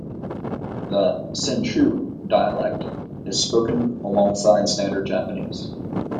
The Senshu dialect is spoken alongside standard Japanese.